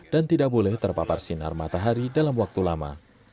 dan tidak boleh terpapar sinar matahari dalam waktu lama